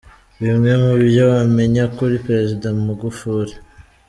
Bimwe mu byo wamenya kuri Perezida Magufuli.